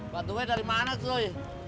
pak tuhai dari mana cuy